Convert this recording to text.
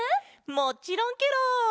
もちろんケロ！